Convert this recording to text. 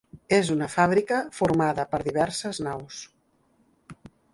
És una fàbrica formada per diverses naus.